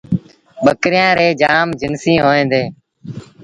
ٻڪريآݩ ريٚݩ جآم جنسيٚݩ هوئيݩ ديٚݩ۔